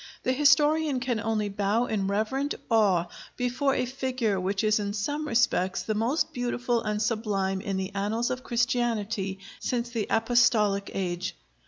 The historian can only bow in reverent awe before a figure which is in some respects the most beautiful and sublime in the annals of Christianity since the Apostolic age.